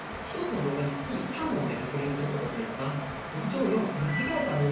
一つの動画につき３問で確認することができます。